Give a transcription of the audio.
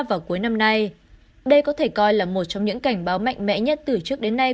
vào cuối năm nay đây có thể coi là một trong những cảnh báo mạnh mẽ nhất từ trước đến nay